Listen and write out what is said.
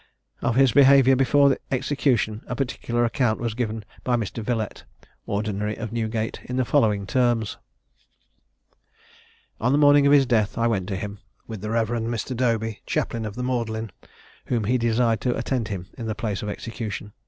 Of his behaviour before execution a particular account was given by Mr. Villette, Ordinary of Newgate, in the following terms: "On the morning of his death I went to him, with the Rev. Mr. Dobey, Chaplain of the Magdalen, whom he desired to attend him to the place of execution.